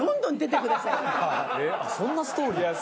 そんなストーリー？